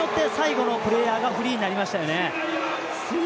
それによって最後のプレーヤーがフリーになりましたよね。